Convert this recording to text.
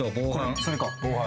それか。